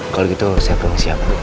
kalau gitu saya pengisi ya pak